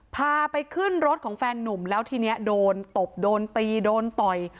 พาไปขึ้นรถของแฟนนุ่มแล้วทีนี้โดนตบโดนตีโดนต่อย